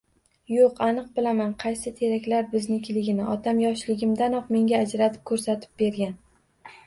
Yoʻq, aniq bilaman. Qaysi teraklar biznikiligini otam yoshligimdayoq menga ajratib koʻrsatib bergan.